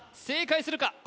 正解するか？